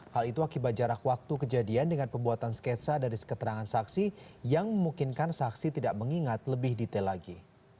hal itu akibat jarak waktu kejadian dengan pembuatan sketsa dari keterangan saksi yang memungkinkan saksi tidak mengingat lebih detail lagi